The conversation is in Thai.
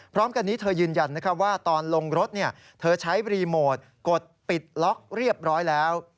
พร้อมกันนี้เธอยืนยันว่าตอนลงรถเธอใช้รีโมทกดปิดล็อกเรียบร้อยแล้ว